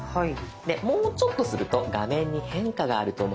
でもうちょっとすると画面に変化があると思います。